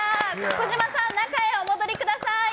小島さん中へお戻りください。